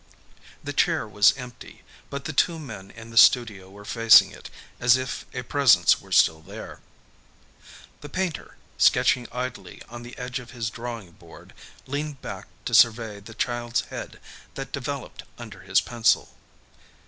The chair was empty; but the two men in the studio were facing it, as if a presence were still there. The painter, sketching idly on the edge of his drawing board, leaned back to survey the child's head that developed under his pencil.